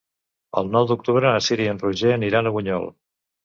El nou d'octubre na Cira i en Roger aniran a Bunyol.